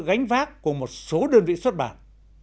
gánh vác của một số đơn vị xuất bản